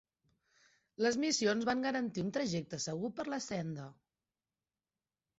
Les missions van garantir un trajecte segur per la senda.